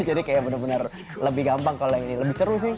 jadi kayak bener bener lebih gampang kalau yang ini lebih seru sih